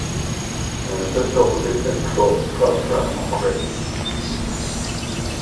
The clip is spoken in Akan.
Ɛnsɛ sɛ Wɔde Atoro Frafra Nokware